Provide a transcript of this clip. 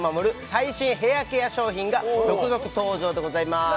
最新ヘアケア商品が続々登場でございます